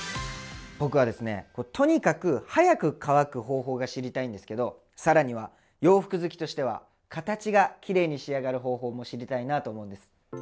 僕はですねとにかく早く乾く方法が知りたいんですけど更には洋服好きとしては形がきれいに仕上がる方法も知りたいなと思うんです。